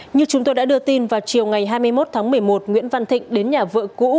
như chúng tôi đã đưa tin vào chiều ngày hai mươi một tháng một mươi một nguyễn văn thịnh đến nhà vợ cũ